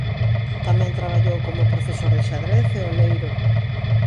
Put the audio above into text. Tamén traballou como profesor de xadrez e oleiro.